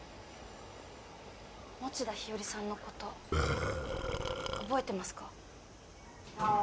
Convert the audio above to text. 田日和さんの事覚えてますか？